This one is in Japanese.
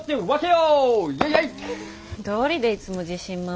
どうりでいつも自信満々なわけね。